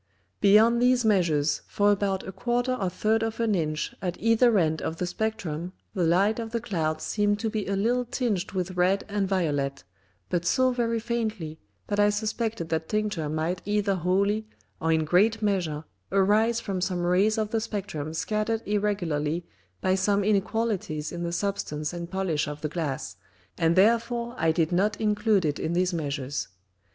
Beyond these Measures for about a 1/4 or 1/3 of an Inch at either end of the Spectrum the Light of the Clouds seemed to be a little tinged with red and violet, but so very faintly, that I suspected that Tincture might either wholly, or in great Measure arise from some Rays of the Spectrum scattered irregularly by some Inequalities in the Substance and Polish of the Glass, and therefore I did not include it in these Measures.